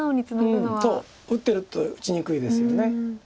そう打ってると打ちにくいですよね。